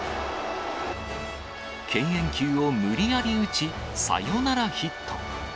敬遠球を無理やり打ち、サヨナラヒット。